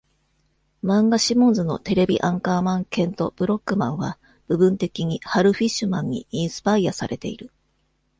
漫画「シモンズ」のテレビアンカーマンケント・ブロックマンは部分的にハル・フィッシュマンにインスパイアされている。